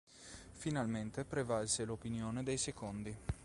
Finalmente prevalse l'opinione dei secondi.